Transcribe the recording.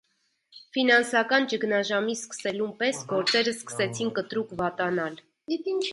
Ֆինանսական ճգնաժամի սկսելուն պես գործերը սկսեցին կտրուկ վատանալ։